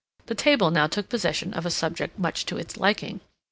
The table now took possession of a subject much to its liking.